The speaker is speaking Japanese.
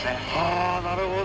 あなるほど。